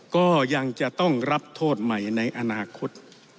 ก็ยังจะต้องรับโทษใหม่ในอนาคต